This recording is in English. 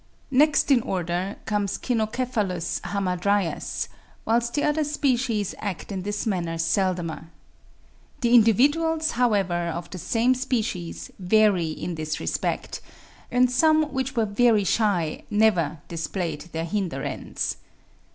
Next in order comes Cynocephalus hamadryas, whilst the other species act in this manner seldomer. The individuals, however, of the same species vary in this respect, and some which were very shy never displayed their hinder ends.